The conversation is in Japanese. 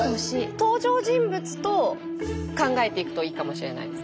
登場人物と考えていくといいかもしれないです。